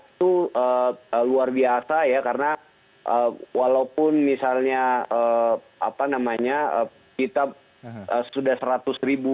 dan saya kira langkah itu luar biasa ya karena walaupun misalnya apa namanya kita sudah seratus ribu lebih tapi trennya itu enggak se enggak secepat yang mungkin kita khawatirkan di awal